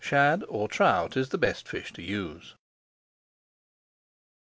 Shad or trout is the best fish to use.